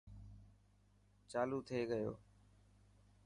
چالو ٿي گيو.